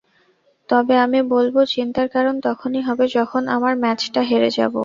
তবে আমি বলব, চিন্তার কারণ তখনই হবে, যখন আমরা ম্যাচটা হেরে যাব।